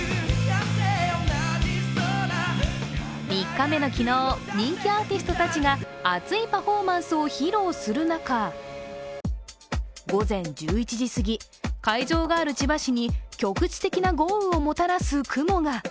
３日目の昨日、人気アーティストたちが熱いパフォーマンスを披露する中、午前１１時すぎ、会場がある千葉市に局地的な豪雨をもたらす雲が。